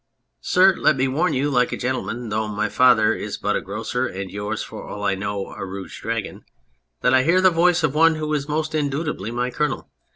Sir, let me warn you like a gentleman, though my father is but a grocer, and yours for all I know a Rouge Dragon, that I hear the voice of one who is most indubitably my Colonel.